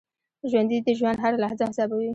ژوندي د ژوند هره لحظه حسابوي